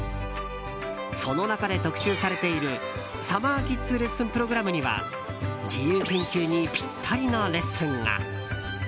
その中で特集されているサマーキッズレッスンプログラムには自由研究にぴったりのレッスンが。